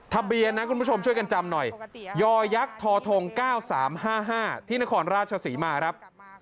ทะเบียนนะคุณผู้ชมช่วยกันจำหน่อยยอยักษ์ทอทง๙๓๕๕ที่นครราชศรีมาครับ